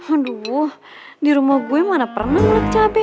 aduh di rumah gue mana pernah muluk cabe